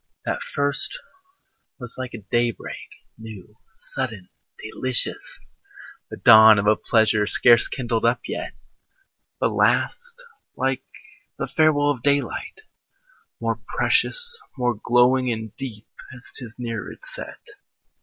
The first was like day break, new, sudden, delicious, The dawn of a pleasure scarce kindled up yet; The last like the farewell of daylight, more precious, More glowing and deep, as 'tis nearer its set.